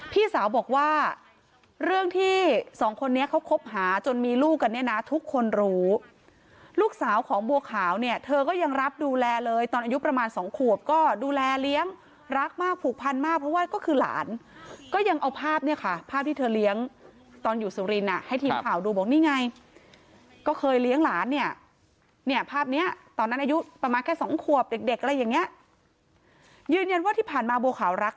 พี่สาวบอกว่าเรื่องที่สองคนนี้เขาคบหาจนมีลูกกันเนี่ยนะทุกคนรู้ลูกสาวของบัวขาวเนี่ยเธอก็ยังรับดูแลเลยตอนอายุประมาณ๒ขวบก็ดูแลเลี้ยงรักมากผูกพันมากเพราะว่าก็คือหลานก็ยังเอาภาพเนี่ยค่ะภาพที่เธอเลี้ยงตอนอยู่สุรินทร์ให้ทีมข่าวดูบอกนี่ไงก็เคยเลี้ยงหลานเนี่ยเนี่ยภาพเนี่ยตอนนั้น